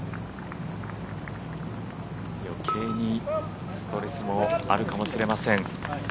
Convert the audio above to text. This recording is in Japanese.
余計にストレスもあるかもしれません。